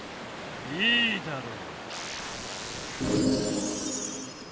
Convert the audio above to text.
いいだろう。